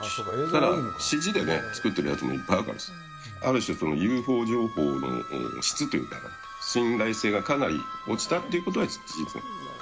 ただ、ＣＧでね、作ってるやつもいっぱいあるから、ある種、ＵＦＯ情報の質というか、信頼性がかなり落ちたっていうことは事実。